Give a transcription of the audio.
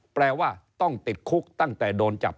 แปลว่าต้องติดคุกตั้งแต่โดนจับ